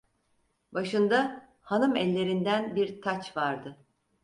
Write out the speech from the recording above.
Başında hanımellerinden bir taç vardı.